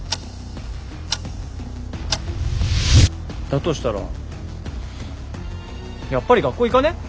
だとしたらやっぱり学校行かね？